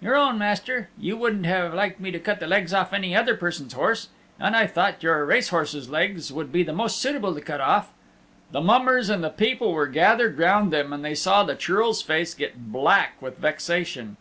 "Your own, Master. You wouldn't have liked me to cut the legs off any other person's horse. And I thought your race horse's legs would be the most suitable to cut off." The mummers and the people were gathered round them and they saw the Churl's face get black with vexation.